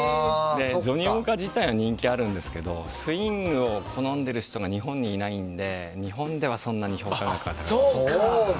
ジョニーウォーカー自体人気がありますけどスイングを好んでいる人が日本にいないので、日本ではそんなに評価額は高くない。